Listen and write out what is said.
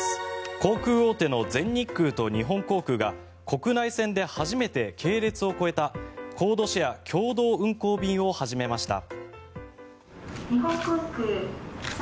航空大手の全日空と日本航空が国内線で初めて系列を超えたコードシェア、共同運航便を始めました。